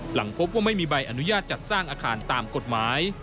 หลังพบว่าไม่มีใบอนุญาตจัดสร้างอาคารตามกฎหมาย